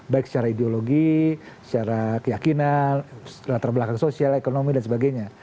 baik secara ideologi secara keyakinan latar belakang sosial ekonomi dan sebagainya